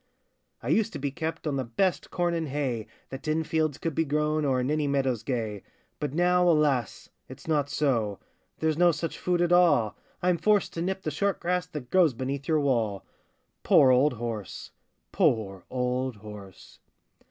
I used to be kept On the best corn and hay That in fields could be grown, Or in any meadows gay; But now, alas! it's not so,— There's no such food at all! I'm forced to nip the short grass That grows beneath your wall. Poor old horse! poor old horse!